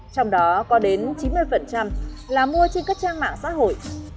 trong đó có đến chín mươi là mua trên các trang mạng xã hội